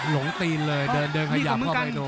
หลีนเลยเดินเดินขยับเข้าไปดู